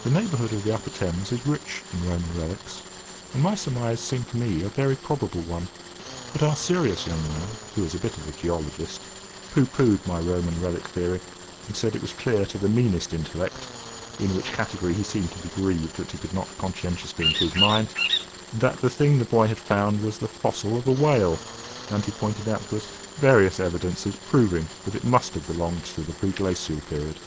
The neighbourhood of the upper Thames is rich in Roman relics, and my surmise seemed to me a very probable one; but our serious young man, who is a bit of a geologist, pooh poohed my Roman relic theory, and said it was clear to the meanest intellect (in which category he seemed to be grieved that he could not conscientiously include mine) that the thing the boy had found was the fossil of a whale; and he pointed out to us various evidences proving that it must have belonged to the preglacial period.